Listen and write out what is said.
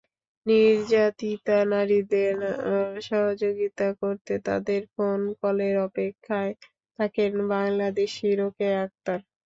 নির্যাতিতা নারীদের সহযোগিতা করতে তাঁদের ফোন কলের অপেক্ষায় থাকেন বাংলাদেশি রোকেয়া আক্তার।